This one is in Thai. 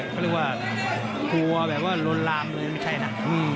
ก็กลัวแบบว่าโหลลามเลยไม่ใช่นะ